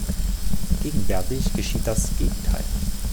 Gegenwärtig geschieht das Gegenteil.